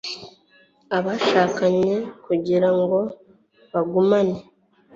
abashakanye kugira ngo bagumane